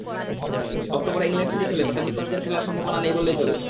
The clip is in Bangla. অক্টোবরে ইংল্যান্ড সিরিজ হলে তাতে মুস্তাফিজের খেলার সম্ভাবনা নেই বললেই চলে।